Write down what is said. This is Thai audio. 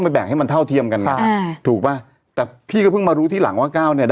เอามันกี่๘มาจากไหนวะ